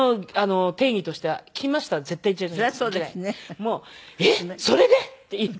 もう「えっ！それで？」って言って。